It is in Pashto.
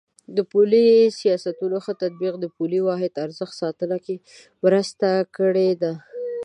د پولي سیاستونو ښه تطبیق د پولي واحد ارزښت ساتنه کې مرسته کړې ده.